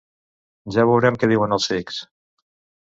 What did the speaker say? Ja veurem, que diuen els cecs.